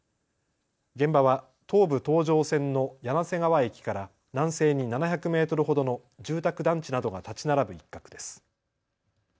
現場は東武東上線の柳瀬川駅から南西に７００メートルほどの住宅団地などが建ち並ぶ一角です。